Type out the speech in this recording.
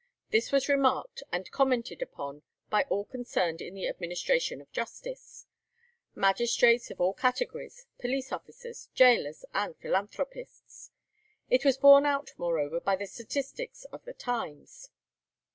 This was remarked and commented upon by all concerned in the administration of justice: magistrates of all categories, police officers, gaolers, and philanthropists. It was borne out, moreover, by the statistics of the times.